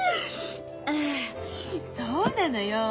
そうなのよ。